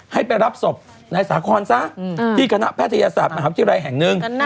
ให้ไปรับศพนายสาคอนซะที่คณะแพทยศาสตร์มหาวิทยาลัยแห่งหนึ่ง